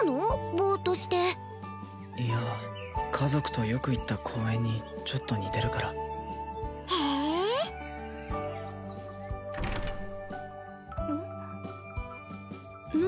ボーッとしていや家族とよく行った公園にちょっと似てるからへえうん？何？